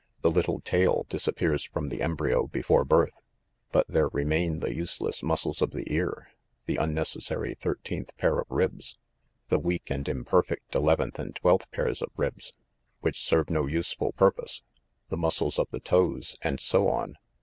The little tail disappears from the embryo before birth ; but there remain the useless muscles of the ear, the unnecessary thirteenth pair of ribs, the weak and imperfect eleventh and twelfth pairs of ribs, which serve no useful purpose, the muscles of the toes, and so on.